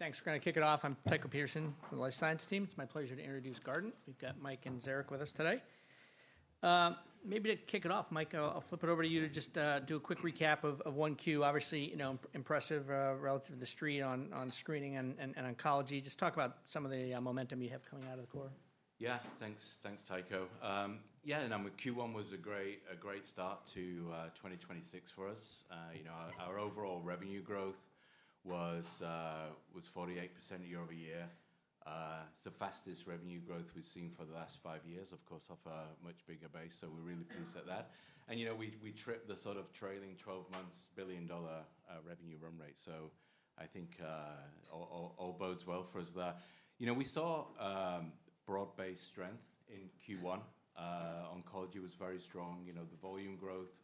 Thanks. We're going to kick it off. I'm Tycho Peterson from the life science team. It's my pleasure to introduce Guardant. We've got Mike and Zarak with us today. Maybe to kick it off, Mike, I'll flip it over to you to just do a quick recap of 1Q. Obviously, impressive relative to the Street on screening and oncology. Just talk about some of the momentum you have coming out of the quarter. Yeah, thanks. Thanks, Tycho. Yeah, no, Q1 was a great start to 2026 for us. Our overall revenue growth was 48% year-over-year. It's the fastest revenue growth we've seen for the last five years, of course, off a much bigger base, so we're really pleased at that. We tripped the sort of trailing 12 months billion-dollar revenue run rate. I think all bodes well for us there. We saw broad-based strength in Q1. Oncology was very strong. The volume growth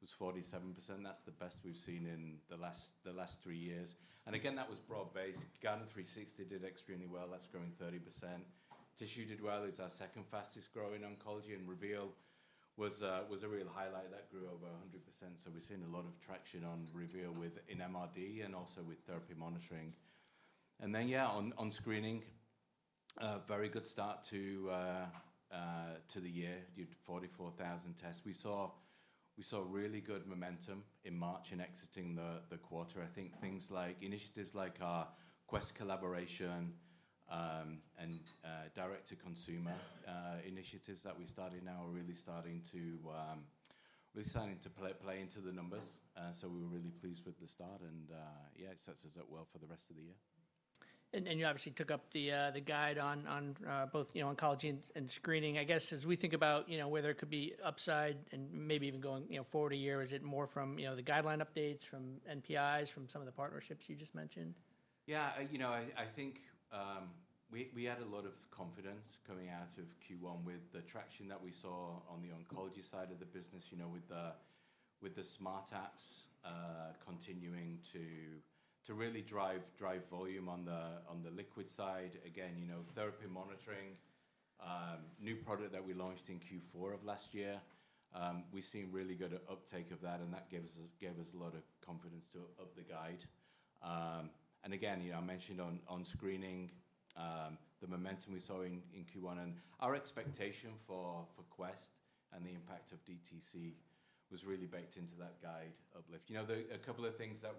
was 47%. That's the best we've seen in the last three years. Again, that was broad-based. Guardant360 did extremely well. That's growing 30%. Tissue did well. It's our second fastest-growing oncology, and Reveal was a real highlight that grew over 100%. We're seeing a lot of traction on Reveal within MRD and also with therapy monitoring. Then, yeah, on screening, a very good start to the year. Did 44,000 tests. We saw really good momentum in March in exiting the quarter. I think initiatives like our Quest collaboration, and direct-to-consumer initiatives that we started now are really starting to play into the numbers. We were really pleased with the start, and yeah, it sets us up well for the rest of the year. You obviously took up the guide on both oncology and screening. I guess, as we think about whether it could be upside and maybe even going forward a year, is it more from the guideline updates, from NPIs, from some of the partnerships you just mentioned? Yeah. I think we had a lot of confidence coming out of Q1 with the traction that we saw on the oncology side of the business with the Smart Apps continuing to really drive volume on the liquid side. Therapy monitoring, new product that we launched in Q4 of last year, we've seen really good uptake of that, and that gave us a lot of confidence to up the guide. I mentioned on screening, the momentum we saw in Q1 and our expectation for Quest and the impact of DTC was really baked into that guide uplift. A couple of things that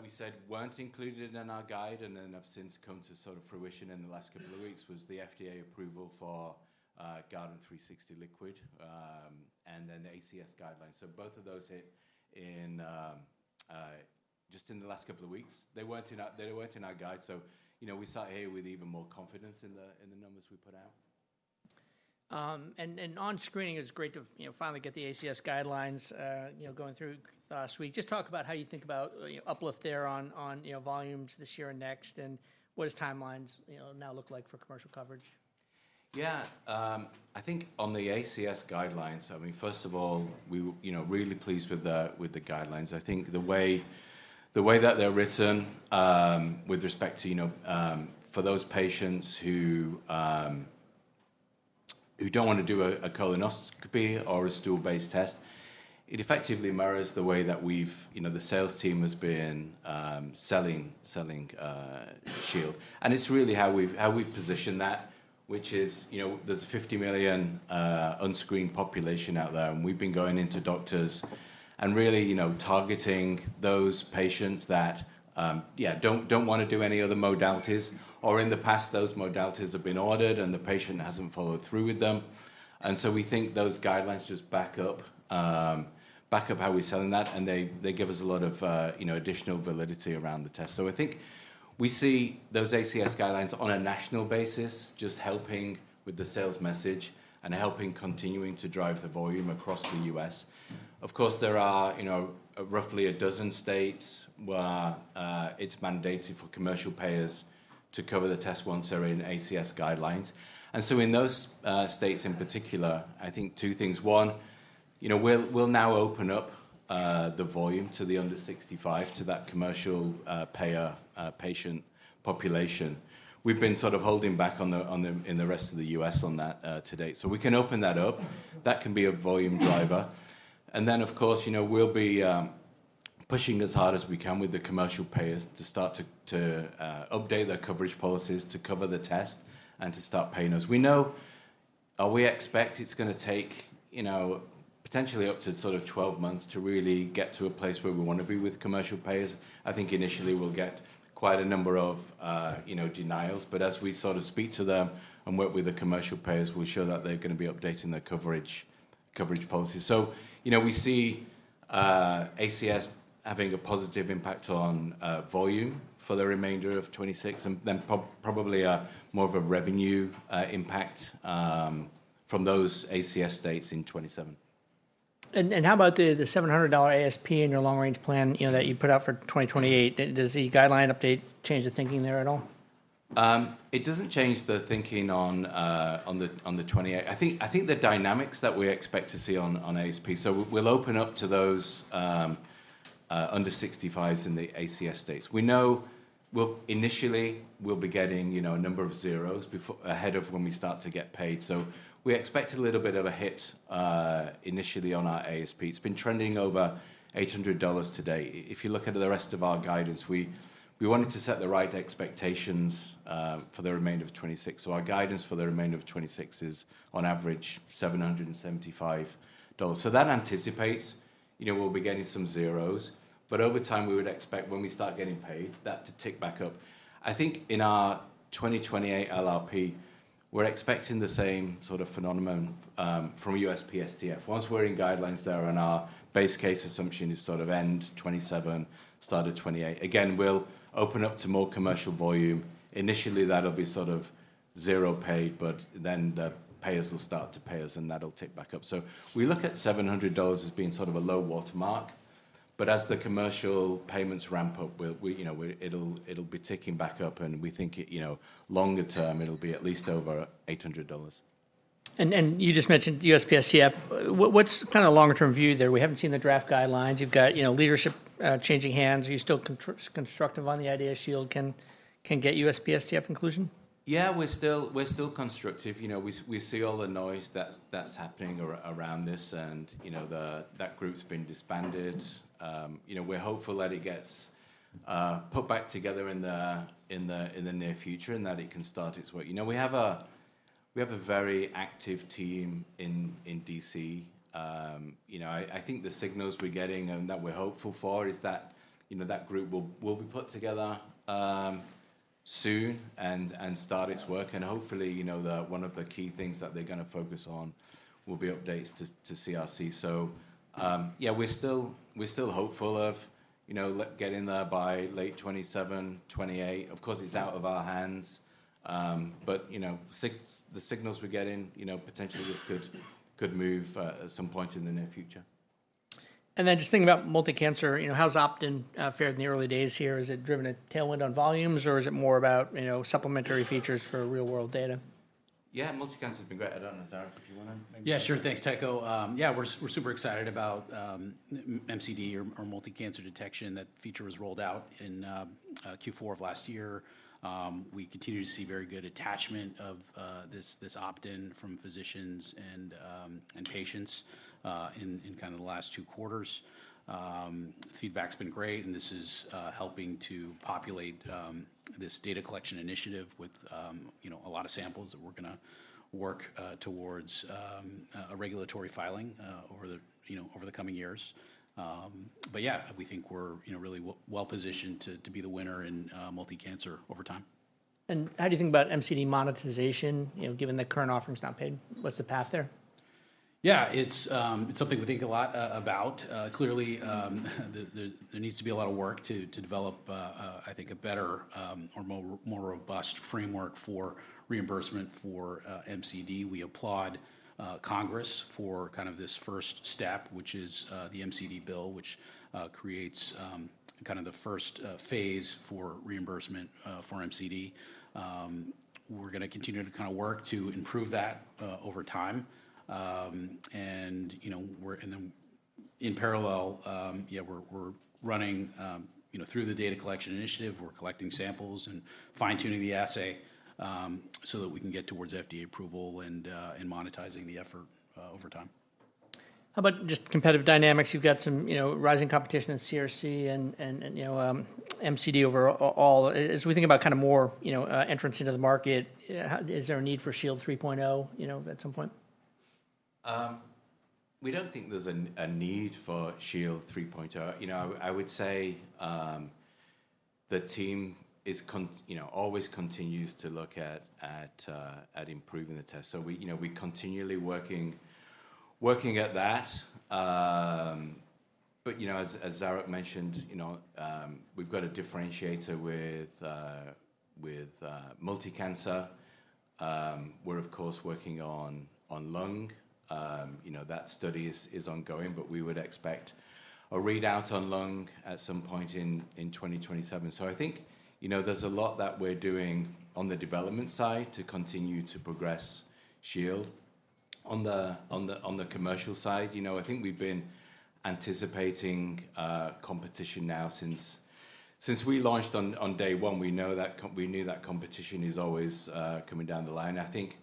we said weren't included in our guide and then have since come to fruition in the last couple of weeks was the FDA approval for Guardant360 Liquid, and then the ACS guidelines. Both of those hit just in the last couple of weeks. They weren't in our guide, so we sat here with even more confidence in the numbers we put out. On screening, it's great to finally get the ACS guidelines going through last week. Just talk about how you think about uplift there on volumes this year and next, and what does timelines now look like for commercial coverage? Yeah. I think on the ACS guidelines, first of all, we were really pleased with the guidelines. I think the way that they're written with respect for those patients who don't want to do a colonoscopy or a stool-based test, it effectively mirrors the way that the sales team has been selling Shield. It's really how we've positioned that, which is there's a 50 million unscreened population out there, and we've been going into doctors and really targeting those patients that don't want to do any other modalities. In the past, those modalities have been ordered, and the patient hasn't followed through with them. We think those guidelines just back up how we're selling that, and they give us a lot of additional validity around the test. I think we see those ACS guidelines on a national basis just helping with the sales message and helping continuing to drive the volume across the U.S. Of course, there are roughly a dozen states where it's mandated for commercial payers to cover the test once they're in ACS guidelines. In those states, in particular, I think two things. One, we'll now open up the volume to the under 65 to that commercial payer patient population. We've been sort of holding back in the rest of the U.S. on that to date. We can open that up. That can be a volume driver. Of course, we'll be pushing as hard as we can with the commercial payers to start to update their coverage policies to cover the test and to start paying us. We expect it's going to take potentially up to sort of 12 months to really get to a place where we want to be with commercial payers. I think initially we'll get quite a number of denials, but as we sort of speak to them and work with the commercial payers, we're sure that they're going to be updating their coverage policy. We see ACS having a positive impact on volume for the remainder of 2026, and then probably more of a revenue impact from those ACS states in 2027. How about the $700 ASP in your long-range plan that you put out for 2028? Does the guideline update change the thinking there at all? It doesn't change the thinking on the 2028. I think the dynamics that we expect to see on ASP, we'll open up to those under 65 in the ACS states. Well, initially, we'll be getting a number of zeros ahead of when we start to get paid. We expect a little bit of a hit initially on our ASP. It's been trending over $800 today. If you look at the rest of our guidance, we wanted to set the right expectations for the remainder of 2026. Our guidance for the remainder of 2026 is on average $775. That anticipates we'll be getting some zeros, over time, we would expect when we start getting paid, that to tick back up. I think in our 2028 LRP, we're expecting the same sort of phenomenon from USPSTF. Once we're in guidelines there and our base case assumption is end 2027, start of 2028. Again, we'll open up to more commercial volume. Initially, that'll be zero-pay, the payers will start to pay us, and that'll tick back up. We look at $700 as being sort of a low water mark, as the commercial payments ramp up, it'll be ticking back up and we think longer term it'll be at least over $800. You just mentioned USPSTF. What's kind of the longer-term view there? We haven't seen the draft guidelines. You've got leadership changing hands. Are you still constructive on the idea Shield can get USPSTF inclusion? Yeah, we're still constructive. We see all the noise that's happening around this, and that group's been disbanded. We're hopeful that it gets put back together in the near future and that it can start its work. We have a very active team in D.C. I think the signals we're getting and that we're hopeful for is that that group will be put together soon and start its work, and hopefully, one of the key things that they're going to focus on will be updates to CRC. Yeah, we're still hopeful of getting there by late 2027, 2028. Of course, it's out of our hands. The signals we're getting, potentially this could move at some point in the near future. Just thinking about multi-cancer, how's opt-in fared in the early days here? Has it driven a tailwind on volumes, or is it more about supplementary features for real-world data? Yeah, multi-cancer's been great. I don't know, Zarak, if you want to maybe- Sure. Thanks, Tycho. We're super excited about MCD or multi-cancer detection. That feature was rolled out in Q4 of last year. We continue to see very good attachment of this opt-in from physicians and patients in the last two quarters. Feedback's been great, this is helping to populate this data collection initiative with a lot of samples that we're going to work towards a regulatory filing over the coming years. We think we're really well-positioned to be the winner in multi-cancer over time. How do you think about MCD monetization, given the current offering's not paid? What's the path there? Yeah, it's something we think a lot about. Clearly, there needs to be a lot of work to develop I think a better or more robust framework for reimbursement for MCD. We applaud Congress for this first step, which is the MCD bill, which creates the first phase for reimbursement for MCD. We're going to continue to work to improve that over time. In parallel, yeah, we're running through the data collection initiative. We're collecting samples and fine-tuning the assay, so that we can get towards FDA approval and monetizing the effort over time. How about just competitive dynamics? You've got some rising competition in CRC and MCD overall. As we think about more entrants into the market, is there a need for Shield 3.0 at some point? We don't think there's a need for Shield 3.0. I would say the team always continues to look at improving the test. We continually working at that. As Zarak mentioned, we've got a differentiator with multi-cancer. We're of course working on lung. That study is ongoing, but we would expect a readout on lung at some point in 2027. I think there's a lot that we're doing on the development side to continue to progress Shield. On the commercial side, I think we've been anticipating competition now since we launched on day one. We knew that competition is always coming down the line. I think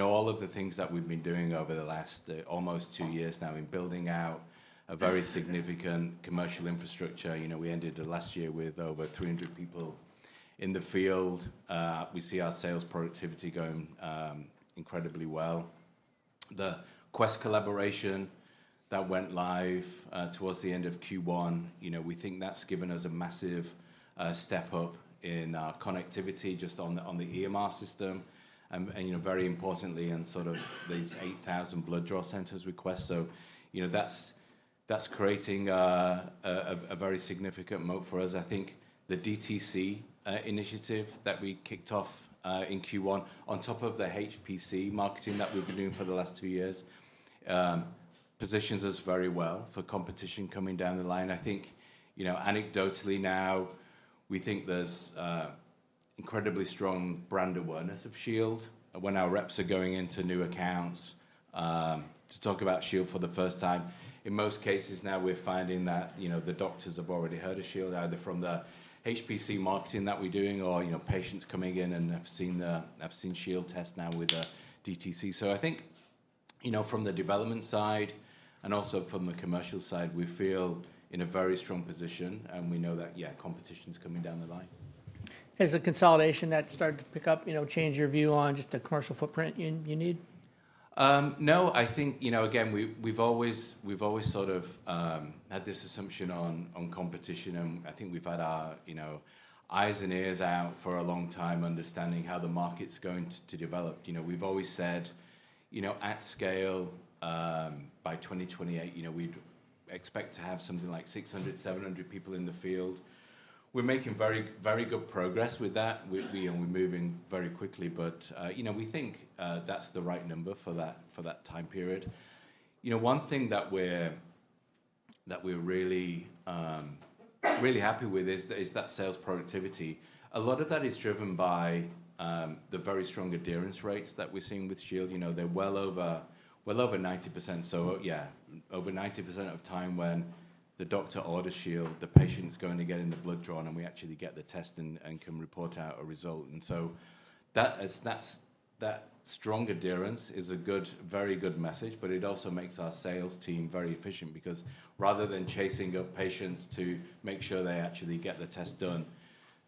all of the things that we've been doing over the last almost two years now in building out a very significant commercial infrastructure. We ended last year with over 300 people in the field. We see our sales productivity going incredibly well. The Quest collaboration that went live towards the end of Q1, we think that's given us a massive step up in our connectivity just on the EMR system, and very importantly in these 8,000 blood draw centers with Quest. That's creating a very significant moat for us. I think the DTC initiative that we kicked off in Q1 on top of the HCP marketing that we've been doing for the last two years, positions us very well for competition coming down the line. I think anecdotally now, we think there's incredibly strong brand awareness of Shield. When our reps are going into new accounts to talk about Shield for the first time, in most cases now we're finding that the doctors have already heard of Shield, either from the HCP marketing that we're doing or patients coming in and have seen the Shield test now with the DTC. I think from the development side and also from the commercial side, we feel in a very strong position, and we know that, yeah, competition's coming down the line. Has the consolidation that started to pick up change your view on just the commercial footprint you need? No. I think, again, we've always sort of had this assumption on competition, and I think we've had our eyes and ears out for a long time understanding how the market's going to develop. We've always said, at scale, by 2028, we'd expect to have something like 600, 700 people in the field. We're making very good progress with that, and we're moving very quickly. We think that's the right number for that time period. One thing that we're really happy with is that sales productivity. A lot of that is driven by the very strong adherence rates that we're seeing with Shield. They're well over 90%. Yeah, over 90% of the time when the doctor orders Shield, the patient's going to get in the blood drawn, and we actually get the test and can report out a result. That strong adherence is a very good message, but it also makes our sales team very efficient because rather than chasing up patients to make sure they actually get the test done,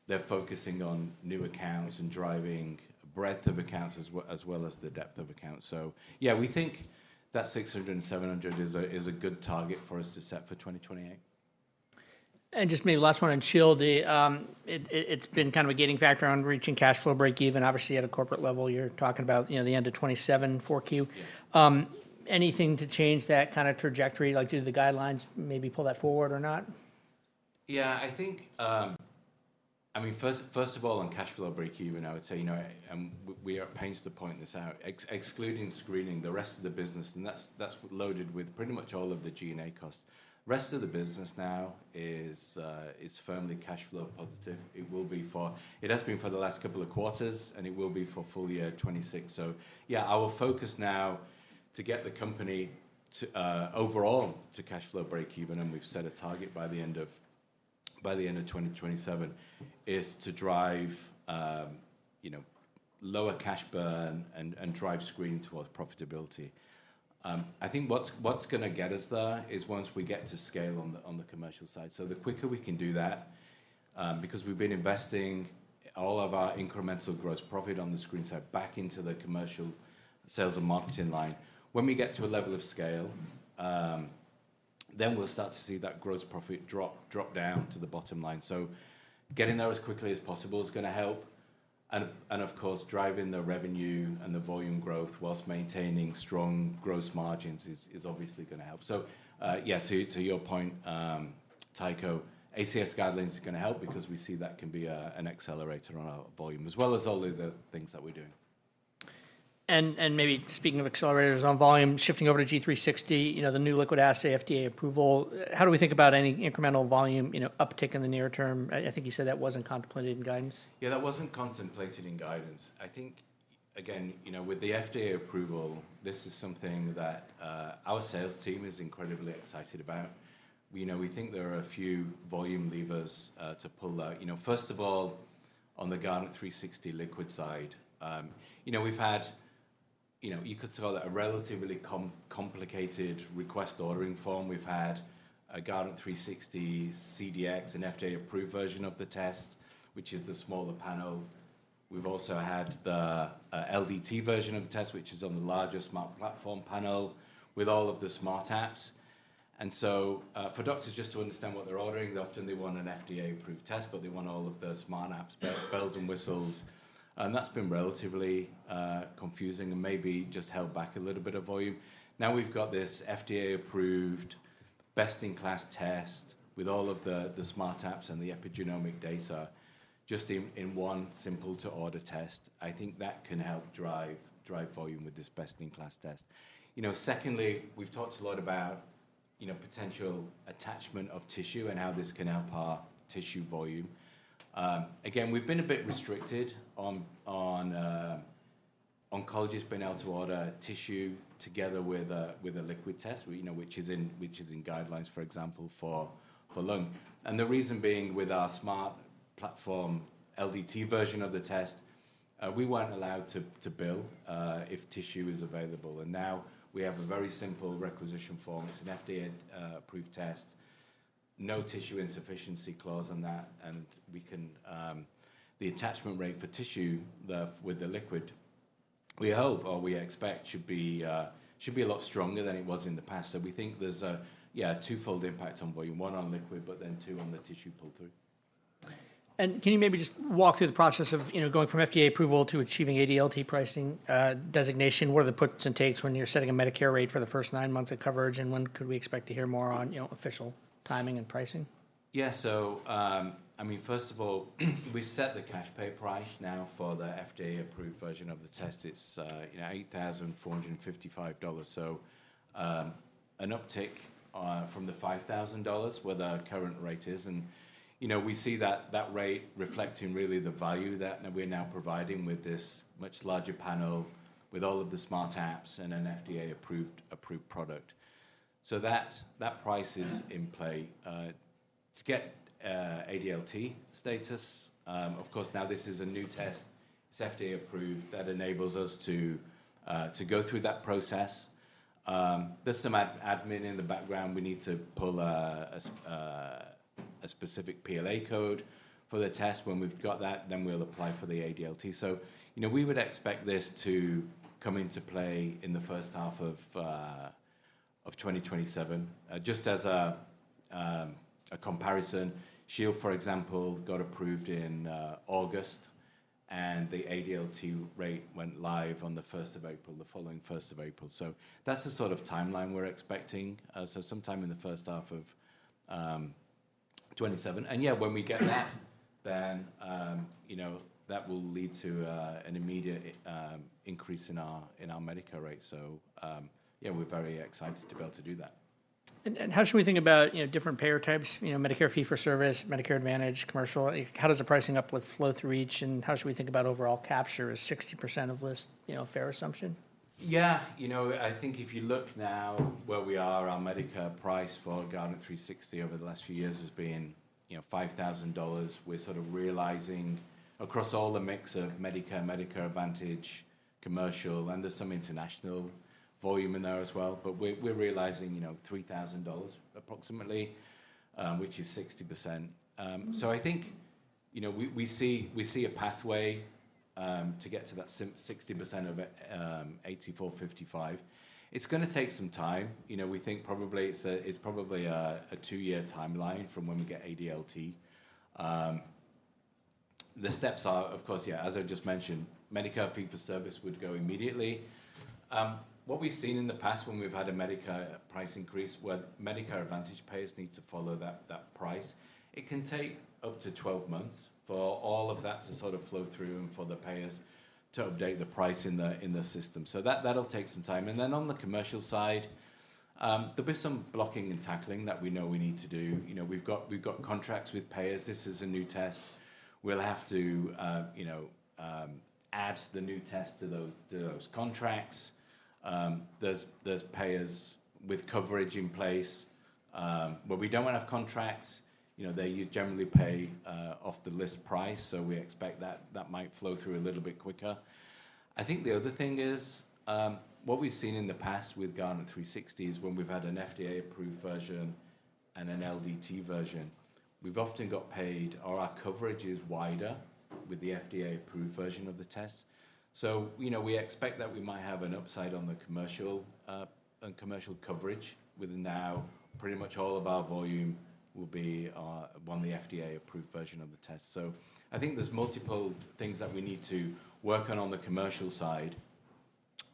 they're focusing on new accounts and driving breadth of accounts as well as the depth of accounts. We think that 600, 700 is a good target for us to set for 2028. Just maybe last one on Shield. It's been kind of a gating factor on reaching cash flow breakeven. Obviously, at a corporate level, you're talking about the end of 2027 4Q. Yeah. Anything to change that kind of trajectory, like do the guidelines maybe pull that forward or not? Yeah, I think, first of all, on cash flow breakeven, I would say, we are at pains to point this out. Excluding screening, the rest of the business, and that's loaded with pretty much all of the G&A costs. Rest of the business now is firmly cash flow positive. It has been for the last couple of quarters, and it will be for full year 2026. Yeah, our focus now to get the company overall to cash flow breakeven, and we've set a target by the end of 2027, is to drive lower cash burn and drive screening towards profitability. I think what's going to get us there is once we get to scale on the commercial side. The quicker we can do that, because we've been investing all of our incremental gross profit on the screen side back into the commercial sales and marketing line. When we get to a level of scale, then we'll start to see that gross profit drop down to the bottom line. Getting there as quickly as possible is going to help. Of course, driving the revenue and the volume growth whilst maintaining strong gross margins is obviously going to help. Yeah, to your point, Tycho, ACS guidelines are going to help because we see that can be an accelerator on our volume as well as all of the things that we're doing. Maybe speaking of accelerators on volume, shifting over to G360, the new liquid assay FDA approval, how do we think about any incremental volume uptick in the near term? I think you said that wasn't contemplated in guidance. Yeah, that wasn't contemplated in guidance. I think, again, with the FDA approval, this is something that our sales team is incredibly excited about. We think there are a few volume levers to pull out. First of all, on the Guardant360 Liquid side, we've had, you could say, a relatively complicated request ordering form. We've had a Guardant360 CDx, an FDA-approved version of the test, which is the smaller panel. We've also had the LDT version of the test, which is on the larger Smart Platform panel with all of the Smart Apps. For doctors just to understand what they're ordering, often they want an FDA-approved test, but they want all of the Smart Apps bells and whistles, and that's been relatively confusing and maybe just held back a little bit of volume. Now we've got this FDA-approved, best-in-class test with all of the Smart Apps and the epigenomic data just in one simple-to-order test. I think that can help drive volume with this best-in-class test. We've talked a lot about potential attachment of tissue and how this can help our tissue volume. We've been a bit restricted on oncologists being able to order tissue together with a liquid test, which is in guidelines, for example, for lung. The reason being, with our Smart Platform LDT version of the test, we weren't allowed to bill if tissue is available. Now we have a very simple requisition form. It's an FDA-approved test, no tissue insufficiency clause on that, and the attachment rate for tissue with the liquid, we hope or we expect should be a lot stronger than it was in the past. We think there's a twofold impact on volume. One on liquid, but then two on the tissue pull-through. Can you maybe just walk through the process of going from FDA approval to achieving ADLT pricing designation? What are the puts and takes when you're setting a Medicare rate for the first nine months of coverage, and when could we expect to hear more on official timing and pricing? Yeah. First of all, we set the cash pay price now for the FDA-approved version of the test. It's $8,455. An uptick from the $5,000 where the current rate is, and we see that rate reflecting really the value that we're now providing with this much larger panel. With all of the Smart Apps and an FDA-approved product. That price is in play. To get ADLT status, of course, now this is a new test. It's FDA approved. That enables us to go through that process. There's some admin in the background. We need to pull a specific PLA code for the test. When we've got that, we'll apply for the ADLT. We would expect this to come into play in the first half of 2027. Just as a comparison, Shield, for example, got approved in August, and the ADLT rate went live on the 1st of April, the following 1st of April. That's the sort of timeline we're expecting, so sometime in the first half of 2027. Yeah, when we get that, then that will lead to an immediate increase in our Medicare rate. Yeah, we're very excited to be able to do that. How should we think about different payer types, Medicare fee for service, Medicare Advantage, commercial? How does the pricing uplift flow through each, and how should we think about overall capture? Is 60% of list a fair assumption? Yeah. I think if you look now where we are, our Medicare price for Guardant360 over the last few years has been $5,000. We're sort of realizing across all the mix of Medicare Advantage, commercial, and there's some international volume in there as well, but we're realizing $3,000 approximately, which is 60%. I think, we see a pathway to get to that 60% of $8,455. It's going to take some time. We think it's probably a two-year timeline from when we get ADLT. The steps are, of course, yeah, as I just mentioned, Medicare fee-for-service would go immediately. What we've seen in the past when we've had a Medicare price increase, where Medicare Advantage payers need to follow that price, it can take up to 12 months for all of that to sort of flow through and for the payers to update the price in the system. That'll take some time. On the commercial side, there'll be some blocking and tackling that we know we need to do. We've got contracts with payers. This is a new test. We'll have to add the new test to those contracts. There's payers with coverage in place. We don't have contracts, they generally pay off the list price, so we expect that might flow through a little bit quicker. I think the other thing is, what we've seen in the past with Guardant360 is when we've had an FDA-approved version and an LDT version. We've often got paid, or our coverage is wider with the FDA-approved version of the test. We expect that we might have an upside on the commercial coverage with now pretty much all of our volume will be on the FDA-approved version of the test. I think there's multiple things that we need to work on on the commercial side.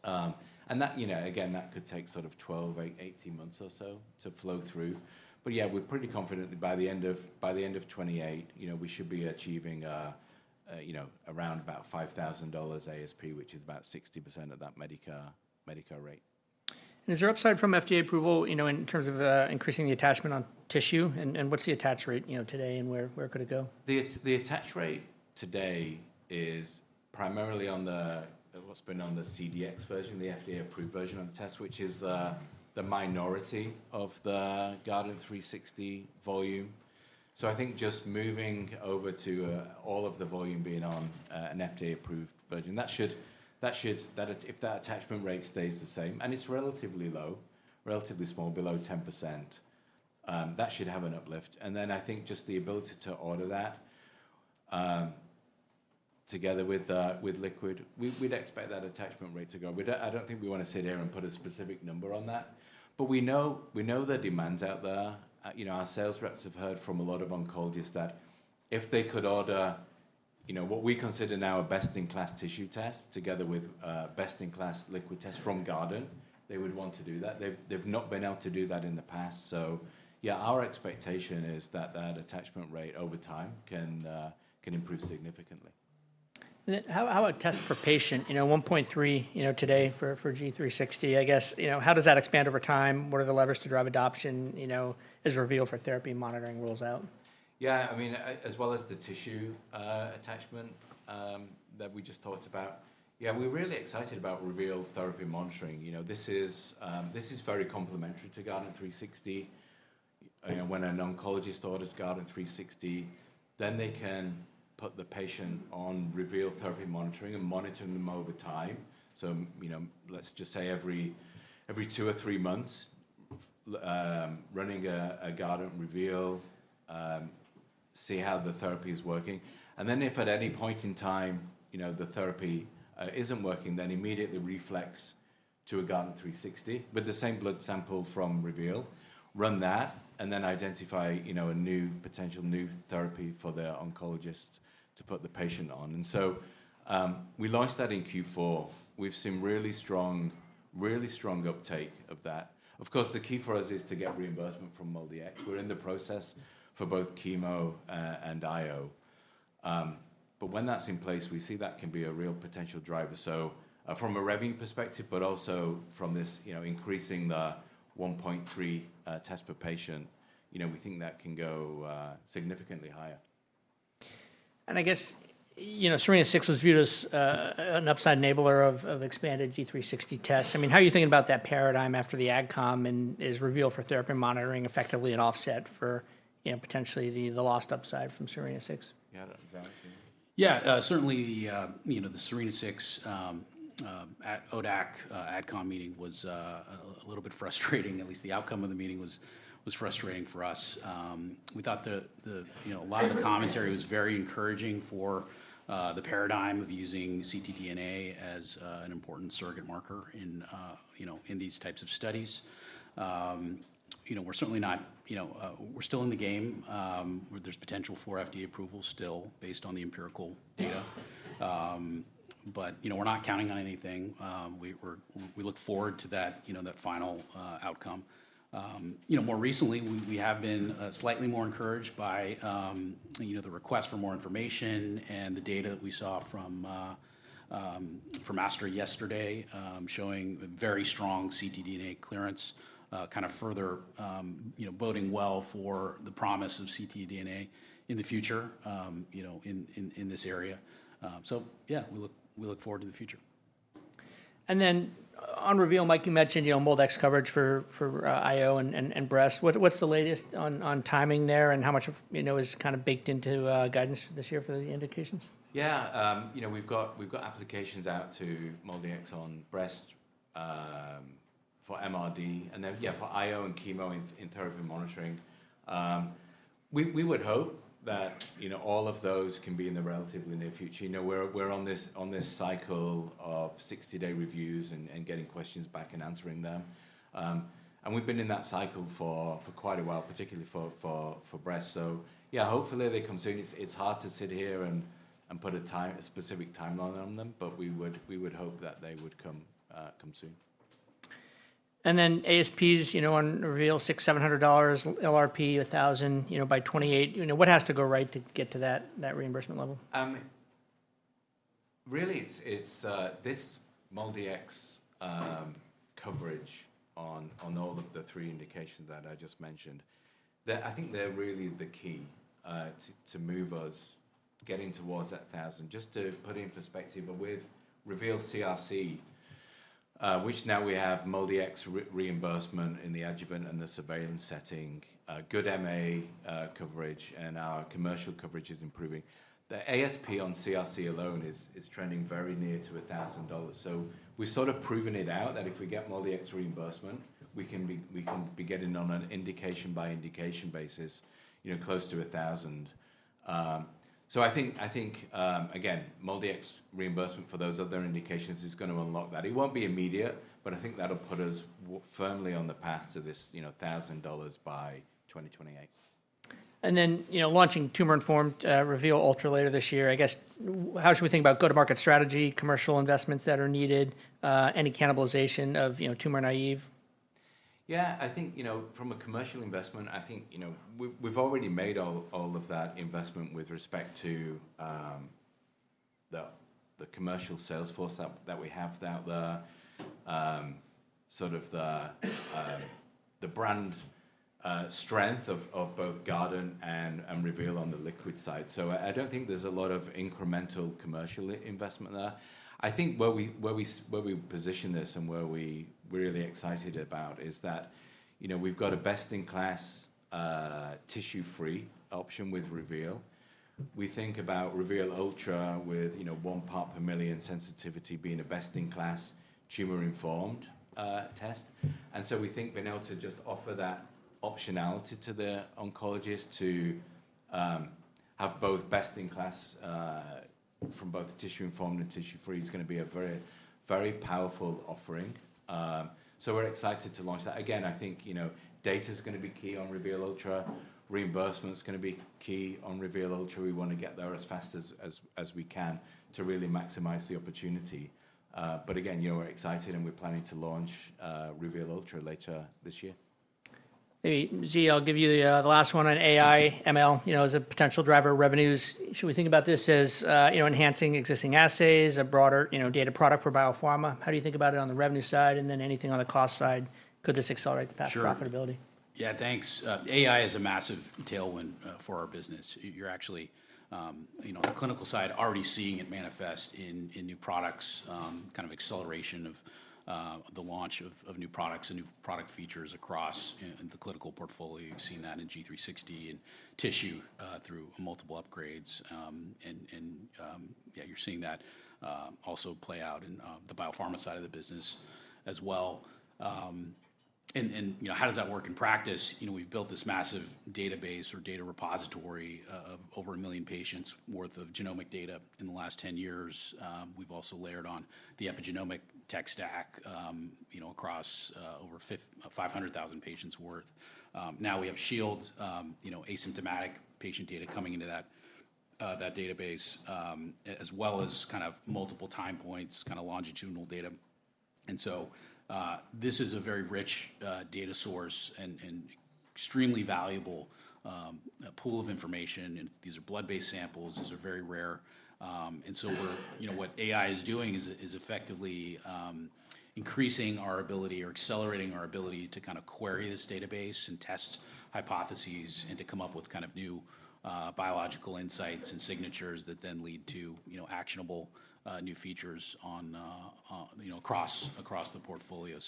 That, again, that could take sort of 12, 18 months or so to flow through. Yeah, we're pretty confident by the end of 2028, we should be achieving around about $5,000 ASP, which is about 60% of that Medicare rate. Is there upside from FDA approval, in terms of increasing the attachment on tissue, and what's the attach rate today, and where could it go? The attach rate today is primarily on the, what's been on the CDx version, the FDA-approved version of the test, which is the minority of the Guardant360 volume. I think just moving over to all of the volume being on an FDA-approved version, if that attachment rate stays the same, and it's relatively low, relatively small, below 10%, that should have an uplift. I think just the ability to order that, together with liquid, we'd expect that attachment rate to go up. I don't think we want to sit here and put a specific number on that, but we know the demand's out there. Our sales reps have heard from a lot of oncologists that if they could order what we consider now a best-in-class tissue test together with a best-in-class liquid test from Guardant, they would want to do that. They've not been able to do that in the past. Yeah, our expectation is that that attachment rate over time can improve significantly. How about tests per patient? 1.3 today for G360, I guess. How does that expand over time? What are the levers to drive adoption? Is Reveal for therapy monitoring ruled out? Yeah, as well as the tissue attachment that we just talked about. Yeah, we're really excited about Reveal therapy monitoring. This is very complementary to Guardant360. When an oncologist orders Guardant360, then they can put the patient on Reveal therapy monitoring and monitoring them over time. Let's just say every two or three months, running a Guardant Reveal, see how the therapy is working. If at any point in time the therapy isn't working, then immediately reflex to a Guardant360 with the same blood sample from Reveal, run that, and then identify a potential new therapy for their oncologist to put the patient on. We launched that in Q4. We've seen really strong uptake of that. Of course, the key for us is to get reimbursement from MolDX. We're in the process for both chemo and IO. When that's in place, we see that can be a real potential driver. From a revenue perspective, but also from this increasing the 1.3 tests per patient, we think that can go significantly higher. I guess, SERENA-6 was viewed as an upside enabler of expanded G360 tests. How are you thinking about that paradigm after the AdCom and is Reveal for therapy monitoring effectively an offset for potentially the lost upside from SERENA-6? Yeah, certainly the SERENA-6 at ODAC AdCom meeting was a little bit frustrating. At least the outcome of the meeting was frustrating for us. We thought a lot of the commentary was very encouraging for the paradigm of using ctDNA as an important surrogate marker in these types of studies. We're still in the game where there's potential for FDA approval still based on the empirical data. We're not counting on anything. We look forward to that final outcome. More recently, we have been slightly more encouraged by the request for more information and the data that we saw from AACR yesterday showing very strong ctDNA clearance further boding well for the promise of ctDNA in the future in this area. Yeah, we look forward to the future. On Reveal, Mike, you mentioned MolDX coverage for IO and breast. What's the latest on timing there and how much is baked into guidance this year for the indications? We've got applications out to MolDX on breast for MRD and then for IO and chemo in therapy monitoring. We would hope that all of those can be in the relatively near future. We're on this cycle of 60-day reviews and getting questions back and answering them. We've been in that cycle for quite a while, particularly for breast. Hopefully they come soon. It's hard to sit here and put a specific timeline on them. We would hope that they would come soon. ASPs on Reveal $600, $700, LRP $1,000 by 2028. What has to go right to get to that reimbursement level? Really it's this MolDX coverage on all of the three indications that I just mentioned, that I think they're really the key to move us getting towards that $1,000. Just to put it in perspective, with Reveal CRC, which now we have MolDX reimbursement in the adjuvant and the surveillance setting, good MA coverage, and our commercial coverage is improving. The ASP on CRC alone is trending very near to $1,000. We've sort of proven it out that if we get MolDX reimbursement, we can be getting on an indication-by-indication basis close to $1,000. I think, again, MolDX reimbursement for those other indications is going to unlock that. It won't be immediate, but I think that'll put us firmly on the path to this $1,000 by 2028. Launching tumor-informed Reveal later this year, I guess, how should we think about go-to-market strategy, commercial investments that are needed, any cannibalization of tumor-naive? I think from a commercial investment, we've already made all of that investment with respect to the commercial sales force that we have out there, sort of the brand strength of both Guardant and Reveal on the liquid side. I don't think there's a lot of incremental commercial investment there. I think where we position this and where we're really excited about is that we've got a best-in-class tissue-free option with Reveal. We think about Reveal Ultra with one part per million sensitivity being a best-in-class tumor-informed test, we think being able to just offer that optionality to the oncologist to have both best-in-class from both tissue-informed and tissue-free is going to be a very powerful offering. We're excited to launch that. Again, I think data's going to be key on Reveal Ultra. Reimbursement's going to be key on Reveal Ultra. We want to get there as fast as we can to really maximize the opportunity. Again, we're excited, and we're planning to launch Reveal Ultra later this year. Maybe, [Z], I'll give you the last one on AI, ML as a potential driver of revenues. Should we think about this as enhancing existing assays, a broader data product for biopharma? How do you think about it on the revenue side, and then anything on the cost side? Could this accelerate the path to profitability? Yeah, thanks. AI is a massive tailwind for our business. You're actually on the clinical side already seeing it manifest in new products, kind of acceleration of the launch of new products and new product features across the clinical portfolio. You've seen that in G360 and tissue through multiple upgrades. Yeah, you're seeing that also play out in the biopharma side of the business as well. How does that work in practice? We've built this massive database or data repository of over 1 million patients worth of genomic data in the last 10 years. We've also layered on the epigenomic tech stack across over 500,000 patients worth. Now we have Shield, asymptomatic patient data coming into that database, as well as multiple time points, longitudinal data. This is a very rich data source and extremely valuable pool of information. These are blood-based samples. These are very rare. What AI is doing is effectively increasing our ability or accelerating our ability to query this database and test hypotheses and to come up with new biological insights and signatures that then lead to actionable new features across the portfolio.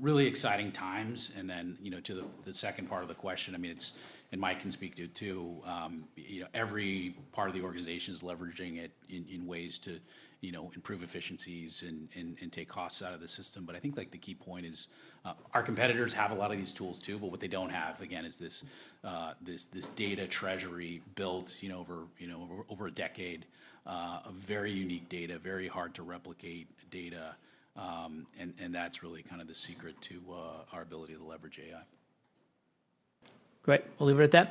Really exciting times. To the second part of the question, Mike can speak to it, too, every part of the organization is leveraging it in ways to improve efficiencies and take costs out of the system. I think the key point is our competitors have a lot of these tools, too, but what they don't have, again, is this data treasury built over a decade of very unique data, very hard-to-replicate data, and that's really the secret to our ability to leverage AI. Great. We'll leave it at that.